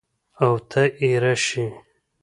اوته اېره شې!